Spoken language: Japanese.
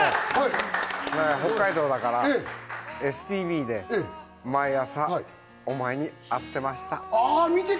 俺も北海道だから、ＳＴＶで毎朝お前に会っていました。